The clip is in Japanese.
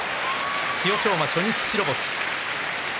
千代翔馬、初日白星。